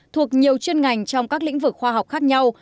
thuộc nhiều chuyên ngành trong các lĩnh vực khoa học khác nhau